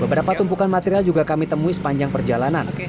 beberapa tumpukan material juga kami temui sepanjang perjalanan